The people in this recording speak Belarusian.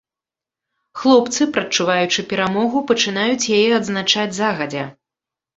Хлопцы, прадчуваючы перамогу, пачынаюць яе адзначаць загадзя.